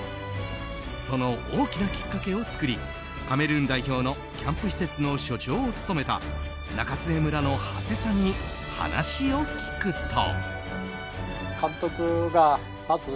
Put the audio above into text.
その大きなきっかけを作りカメルーン代表のキャンプ施設所長を務めた中津江村の長谷さんに話を聞くと。